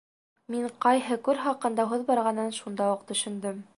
Мин ҡайһы күл хаҡында һүҙ барғанын шунда уҡ төшөндөм.